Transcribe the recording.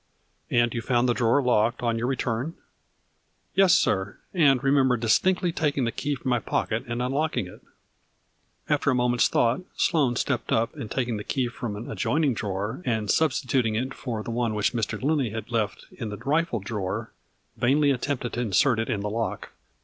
" And you found the drawer locked on your return ?"" Yes, sir, and remember distinctly taking the key from my pocket and unlocking it." After a moment's thought, Sloane stepped up and taking the key from an adjoining drawer and substituting it for the one which Mr. Lindley had left in the rifled drawer, vainly attempted to insert it in the lock.